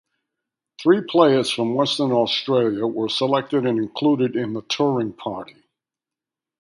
Three players from Western Australia were selected and included in the touring party.